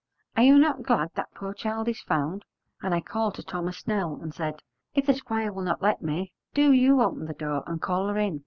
are you not glad that poor child is found?' and I called to Thomas Snell and said, 'If the Squire will not let me, do you open the door and call her in.'